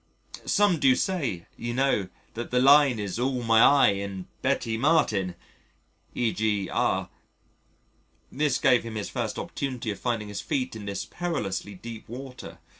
"Some do say, you know, that the Line is 'all my eye and Betty Martin,' e.g., R ." This gave him his first opportunity of finding his feet in this perilously deep water.